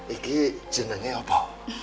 iki jenengnya apa